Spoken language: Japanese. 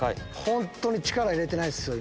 本当に力入れてないっすよ